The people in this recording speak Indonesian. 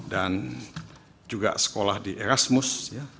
dan juga sekolah di erasmus